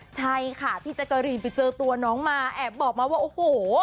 ใช่ค่ะพี่แจ๊กกะรีนไปเจอตัวน้องมาแอบบอกมาว่าโอ้โห